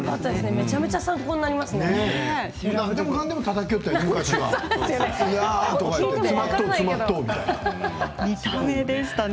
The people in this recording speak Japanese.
めちゃめちゃ参考になりましたね。